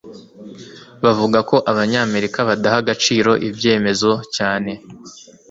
bavuga ko abanyamerika badaha agaciro ibyemezo cyane